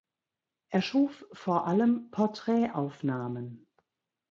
Er schuf vor allem Porträtaufnahmen.